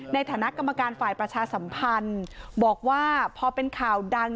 ในฐานะกรรมการฝ่ายประชาสัมพันธ์บอกว่าพอเป็นข่าวดัง